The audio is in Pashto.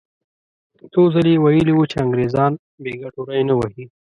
څو ځلې یې ویلي وو چې انګریزان بې ګټو ری نه وهي.